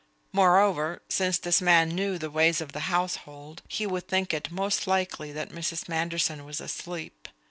Moreover, since this man knew the ways of the household, he would think it most likely that Mrs. Manderson was asleep.